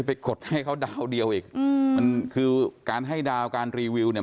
ไม่ใช่ว่าแค่เรื่องแค่นี้มันไม่ได้